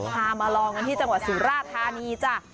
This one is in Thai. มาลองกันที่จังหวัดสุราธานีจ้ะ